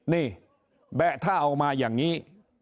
นี่แบะท่าออกมาอย่างนี้